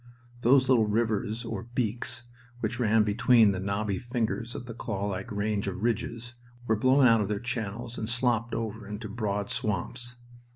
Those little rivers or "beeks," which ran between the knobby fingers of the clawlike range of ridges, were blown out of their channels and slopped over into broad swamps.